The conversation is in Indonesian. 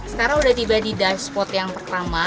sekarang udah tiba di dave spot yang pertama